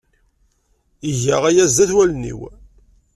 Iga aya sdat wallen-iw.